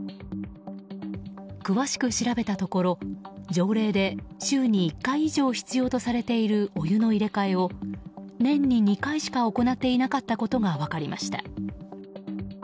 詳しく調べたところ条例で週に１回以上必要とされているお湯の入れ替えを年に２回しか行っていなかったことが分かりました。